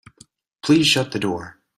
Please shut the door.